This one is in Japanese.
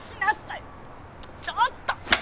ちょっと！